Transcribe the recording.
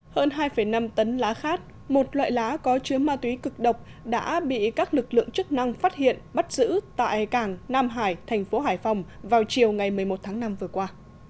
hơn hai năm tấn lá khát một loại lá có chứa ma túy cực độc đã bị các lực lượng chức năng phát hiện bắt giữ tại cảng nam hải thành phố hải phòng vào chiều ngày một mươi một tháng năm vừa qua